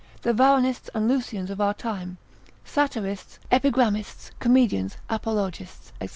the Varronists and Lucians of our time, satirists, epigrammists, comedians, apologists, &c.